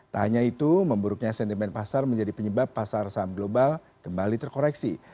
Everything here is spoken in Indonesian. tak hanya itu memburuknya sentimen pasar menjadi penyebab pasar saham global kembali terkoreksi